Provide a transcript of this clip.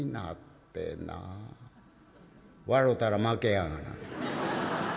「笑たら負けやがな」。